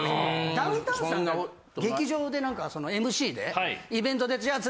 ダウンタウンさんが劇場でなんかМＣでイベントで「じゃあ次！